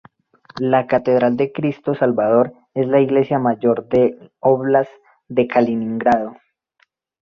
La Catedral de Cristo Salvador es la iglesia mayor del óblast de Kaliningrado.